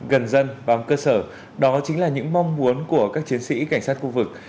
gần dân vòng cơ sở đó chính là những mong muốn của các tiến sĩ cảnh sát khu vực